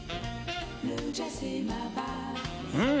うん！